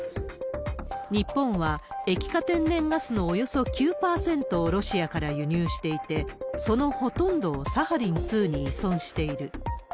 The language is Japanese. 日本は、液化天然ガスのおよそ９％をロシアから輸入していて、そのほとんどをサハリン２に依存している。